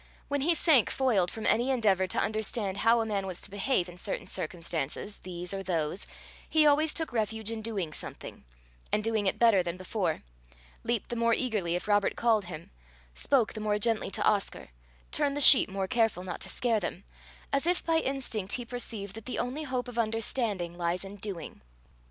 When he sank foiled from any endeavour to understand how a man was to behave in certain circumstances, these or those, he always took refuge in doing something and doing it better than before; leaped the more eagerly if Robert called him, spoke the more gently to Oscar, turned the sheep more careful not to scare them as if by instinct he perceived that the only hope of understanding lies in doing.